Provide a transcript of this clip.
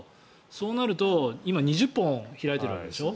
そうなると、今２０本開いてるわけでしょ。